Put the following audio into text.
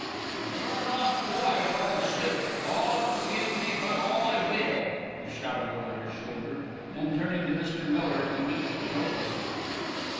"If you're not quiet I'll shoot God forgive me, but I will," he shouted over his shoulder. Then turning to Mr. Miller he winked jocosely.